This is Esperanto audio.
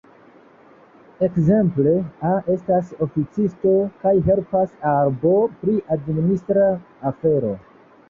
Ekzemple, A estas oficisto kaj helpas al B pri administra afero.